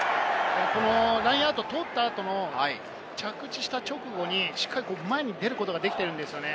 ラインアウト取った後の着地した直後にしっかり前に出ることができているんですよね。